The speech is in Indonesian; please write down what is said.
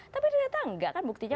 tapi ternyata enggak kan buktinya